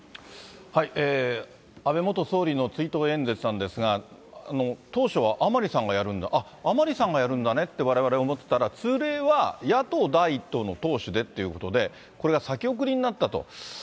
安倍元総理の追悼演説なんですが、当初は甘利さんがやるんで、あっ、甘利さんがやるんだねってわれわれ思ってたら、通例は、野党第１党の党首でっていうことで、これが先送りになったと。